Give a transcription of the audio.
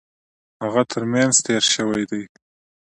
هغه ترمېنځ تېر شوی دی.